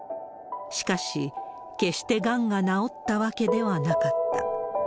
しかし、決してがんが治ったわけではなかった。